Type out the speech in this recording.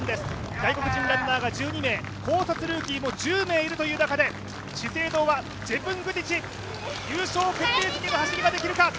外国人ランナーが１２名、高卒ルーキーも１０名いるという中で資生堂はジェプングティチ。